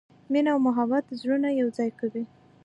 مینه او محبت زړونه یو ځای کوي.